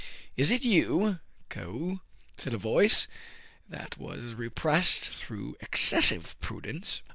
" Is it you, Couo ?" said a voice that was re pressed through excessive prudence.